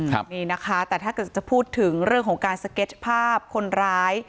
นี่นะคะแต่ถ้าเกิดจะพูดถึงเรื่องของการสเก็ตภาพคนร้าย